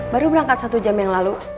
baru berangkat satu jam yang lalu